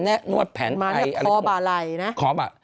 หมายถึงคอบาลัยนะ